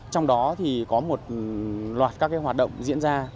trong đó thì có một loạt các hoạt động diễn ra